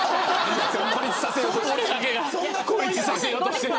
孤立させようとしている。